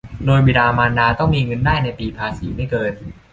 โดยบิดามารดาต้องมีเงินได้ในปีภาษีไม่เกิน